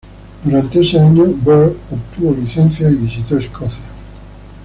Durante ese año, Baird obtuvo licencia y visitó Escocia.